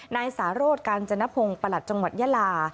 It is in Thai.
นายสารสกาญจนพงศ์ประหลัดจังหวัดยาลา